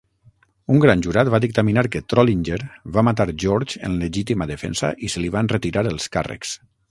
Un gran jurat va dictaminar que Trolinger va matar George en legítima defensa i se li van retirar els càrrecs.